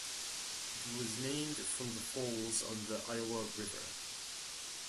It was named from the falls on the Iowa River.